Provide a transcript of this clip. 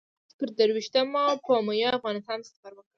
د مارچ پر درویشتمه پومپیو افغانستان ته سفر وکړ.